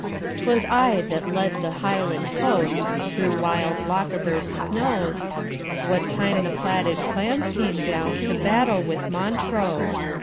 'T was I that led the Highland hostThrough wild Lochaber's snows, What time the plaided clans came downTo battle with Montrose.